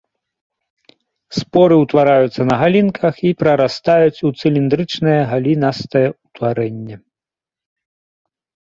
Споры ўтвараюцца на галінках і прарастаюць у цыліндрычнае галінастае ўтварэнне.